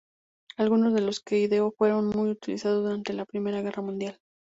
Algunos de los que ideó fueron muy utilizados durante la Primera Guerra Mundial.